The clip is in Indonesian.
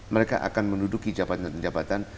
mereka akan menduduki jabatan jabatan